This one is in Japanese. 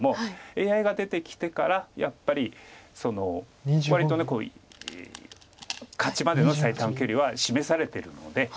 ＡＩが出てきてからやっぱり割と勝ちまでの最短距離は示されてるので。